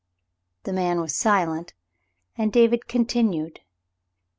f*" The man was silent, and David con tinued.